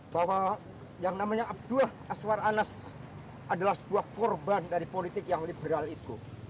bahwa yang namanya abdullah aswar anas adalah sebuah korban dari politik yang liberal itu